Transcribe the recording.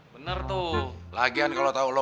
bener tuh lagian kalau tahu lo